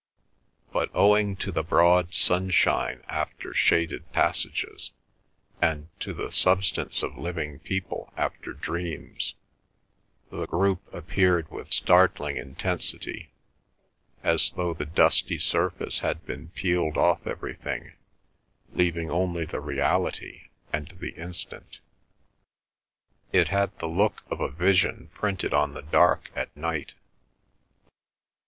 But owing to the broad sunshine after shaded passages, and to the substance of living people after dreams, the group appeared with startling intensity, as though the dusty surface had been peeled off everything, leaving only the reality and the instant. It had the look of a vision printed on the dark at night.